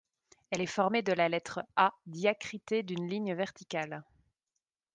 Elle est formée de la lettre A diacritée d’une ligne verticale.